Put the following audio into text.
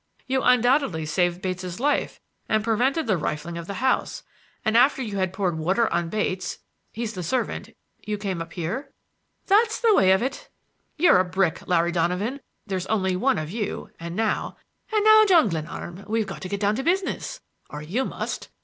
"You undoubtedly saved Bates' life and prevented the rifling of the house. And after you had poured water on Bates,—he's the servant,—you came up here—" "That's the way of it." "You're a brick, Larry Donovan. There's only one of you; and now—" "And now, John Glenarm, we've got to get down to business,—or you must.